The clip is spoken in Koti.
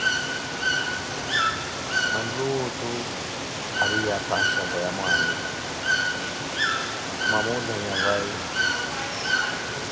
manttuwi otu ariiye apha ashapweya mwaani, mwamuuzaya vai?